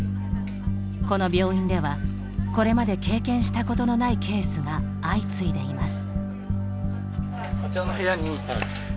この病院ではこれまで経験したことのないケースが相次いでいます。